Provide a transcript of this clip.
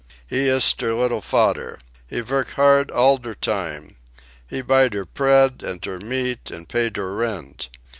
He iss der liddle fader. He vork hard, all der time. He buy der pread an' der meat, an' pay der rent.